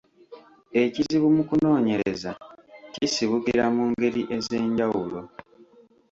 Ekizibu mu kunoonyereza kisibukira mu ngeri ez’enjawulo: